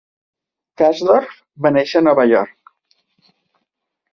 Kasdorf va néixer a Nova York.